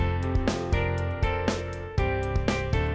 aduh aduh aduh aduh